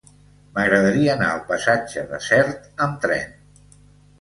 M'agradaria anar al passatge de Sert amb tren.